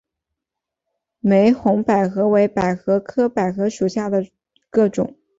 玫红百合为百合科百合属下的一个种。